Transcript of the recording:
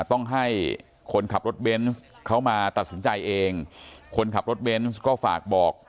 ต้องให้คนขับรถเบนส์เขามาตัดสินใจเองคนขับรถเบนส์ก็ฝากบอก